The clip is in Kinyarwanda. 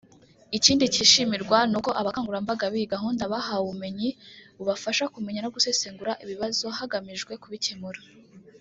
Ikindi cyishimirwa ni uko abakangurambaga b’iyi gahunda bahawe ubumenyi bubafasha kumenya no gusesengura ibibazo hagamijwe kubikemura